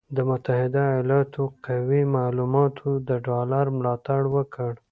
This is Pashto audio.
د متحده ایالاتو قوي معلوماتو د ډالر ملاتړ وکړ،